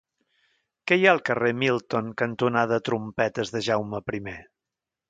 Què hi ha al carrer Milton cantonada Trompetes de Jaume I?